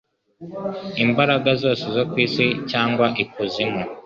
Imbaraga zose zo ku isi cyangwa ikuzimu